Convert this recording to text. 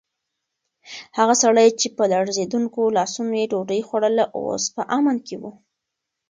هغه سړی چې په لړزېدونکو لاسونو یې ډوډۍ خوړله، اوس په امن کې و.